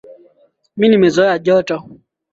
Nimezoea joto.